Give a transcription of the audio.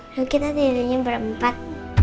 lalu kita tidurnya berempat